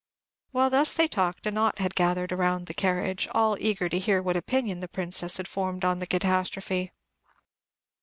While they thus talked, a knot had gathered around the carriage, all eager to hear what opinion the Princess had formed on the catastrophe.